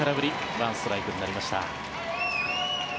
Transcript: ワンストライクになりました。